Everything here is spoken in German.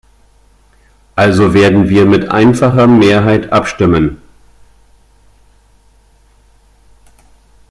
Also werden wir mit einfacher Mehrheit abstimmen.